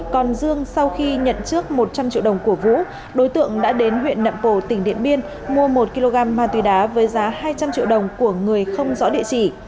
còn dương sau khi nhận trước một trăm linh triệu đồng của vũ đối tượng đã đến huyện nậm pồ tỉnh điện biên mua một kg ma túy đá với giá hai trăm linh triệu đồng của người không rõ địa chỉ